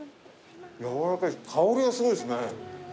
やわらかいし香りがすごいっすね。